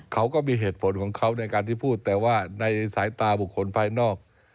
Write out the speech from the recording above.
เขาก็มีเหตุผลของเขาในการที่พูดแต่ว่าในสายตาบุคคลภายนอก